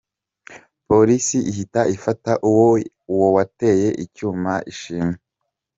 Polisi ihita ifata uwo wateye icyuma Ishimwe.